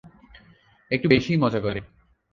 একটু বেশি-ই মজা করে।